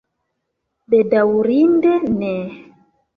Bedaŭrinde ne.